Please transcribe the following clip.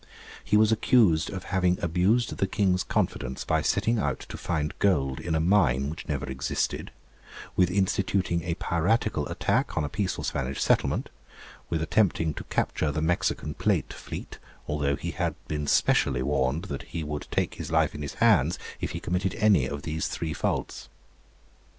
He was accused of having abused the King's confidence by setting out to find gold in a mine which never existed, with instituting a piratical attack on a peaceful Spanish settlement, with attempting to capture the Mexican plate fleet, although he had been specially warned that he would take his life in his hands if he committed any one of these three faults.